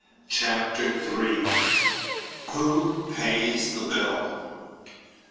CHAPTER THREE Who Pays The Bills?